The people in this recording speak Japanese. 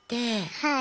はい。